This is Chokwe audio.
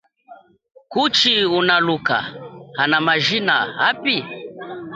Kuchi unaluka ana majina api?